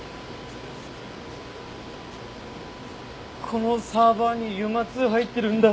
このサーバーにＵＭＡ−Ⅱ入ってるんだ。